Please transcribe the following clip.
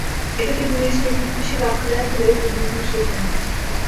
এটাকে দুনিয়ার শেষ যুদ্ধ হিসেবে আখ্যা দেওয়া হলেও যুদ্ধ এখনো শেষ হয়নি।